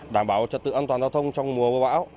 đảm bảo trật tự an toàn giao thông trong mùa mưa bão